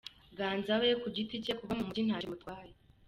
Ganza we ku giti cye kuba mu mujyi ntacyo bimutwaye.